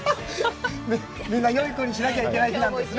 みんな、よいこにしなきゃいけない日なんですね。